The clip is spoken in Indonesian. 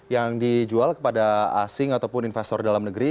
yang dijual kepada asing ataupun investor dalam negeri